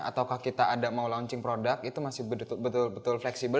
ataukah kita ada mau launching produk itu masih betul betul fleksibel